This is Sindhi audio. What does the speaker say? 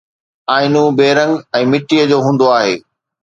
آئينو بي رنگ ۽ مٽيءَ جو هوندو آهي